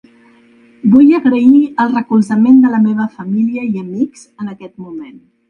Vull agrair el recolzament de la meva família i amics en aquest moment.